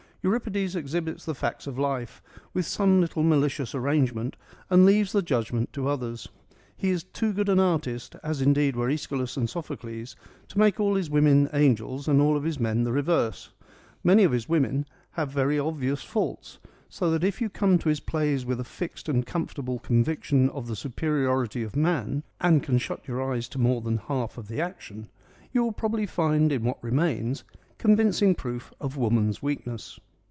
Euripides exhibits the facts of life, with some little malicious arrangement, and leaves the judgment to others. He is too good an artist, as indeed were ^Eschylus and Sophocles, to make all his women angels and all his men the reverse. Many of his women have very obvious 8(5 EURIPIDES 87 faults, so that if you come to his plays with a fixed and comfortable conviction of the superiority of man, and can shut your eyes to more than half of the action you will probably find in what remains convincing proof of woman's weakness.